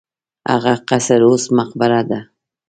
هغه قصر اوس مقبره ده.